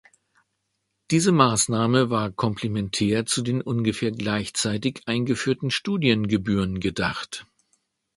Diese Maßnahme war komplementär zu den ungefähr gleichzeitig eingeführten Studiengebühren gedacht.